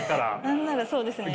何ならそうですね。